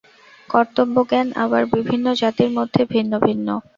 কর্তব্য-জ্ঞান আবার বিভিন্ন জাতির মধ্যে ভিন্ন ভিন্ন।